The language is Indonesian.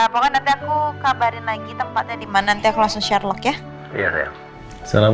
pokoknya nanti aku kabarin lagi tempatnya di mana nanti aku langsung share log ya